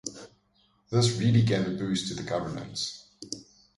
This really gave a boost to the governance.